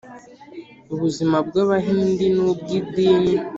ubuzima bw Abahindi n ubw idini